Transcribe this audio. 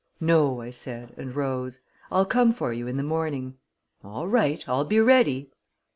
"No," I said, and rose. "I'll come for you in the morning." "All right; I'll be ready."